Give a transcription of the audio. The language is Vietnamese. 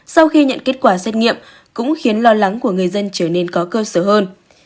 sau khi nhận kết quả xét nghiệm cũng khiến lo lắng của người dân trở nên có cơ sở hơn